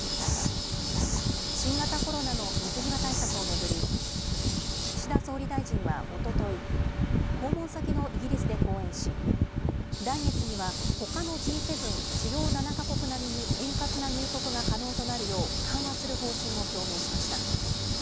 新型コロナの水際対策を巡り、岸田総理大臣はおととい、訪問先のイギリスで講演し、来月にはほかのＧ７・主要７か国並みに円滑な入国が可能となるよう、緩和する方針を表明しました。